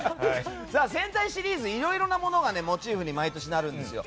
戦隊シリーズいろいろなものがモチーフに毎年なるんですよ。